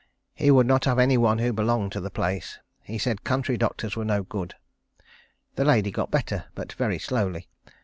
He would not have any one who belonged to the place. He said country doctors were no good. The lady got better, but very slowly.